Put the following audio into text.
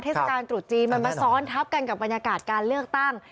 เทศกาลตรุษจีนมันมาซ้อนทับกันกับบรรยากาศการเลือกตั้ง